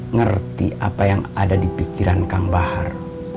ngerti apa yang ada di pikiran kang bahar